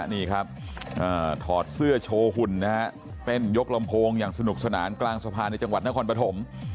นี่ครับถอดเสื้อโชว์หุ่นนะฮะเต้นยกลำโพงอย่างสนุกสนานกลางสะพานในจังหวัดนครปฐม